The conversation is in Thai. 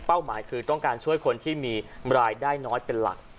หมายคือต้องการช่วยคนที่มีรายได้น้อยเป็นหลัก